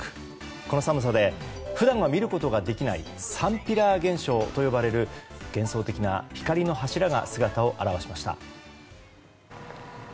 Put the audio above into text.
この寒さで普段は見ることができないサンピラー現象と呼ばれる幻想的な光の柱が姿を現しました。